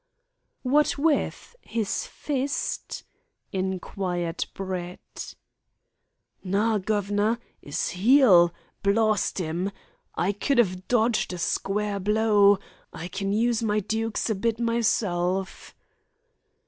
"What with his fist?" inquired Brett. "Nah, guv'nor 'is 'eel, blawst 'im. I could 'ave dodged a square blow. I can use my dukes a bit myself."